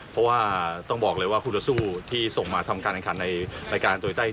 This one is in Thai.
เพราะว่าต้องบอกเลยว่าคู่ต่อสู้ที่ส่งมาทำการแข่งขันในรายการโตยใต้